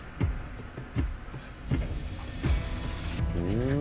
うん！